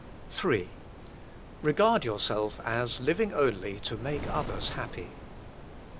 Ill \ Regard yourself as living only to make others happy.